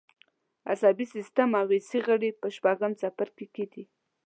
عصبي سیستم او حسي غړي په شپږم څپرکي کې دي.